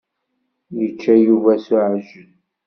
Yečča Yuba s uɛijel.